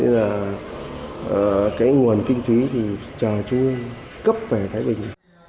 nên là cái nguồn kinh phí thì chờ chung ương cấp về thái bình